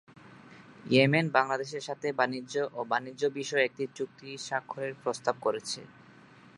Yemen বাংলাদেশের সাথে বাণিজ্য ও বাণিজ্য বিষয়ে একটি চুক্তি স্বাক্ষরের প্রস্তাব করেছে।